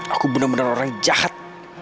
aku benar benar orang jahat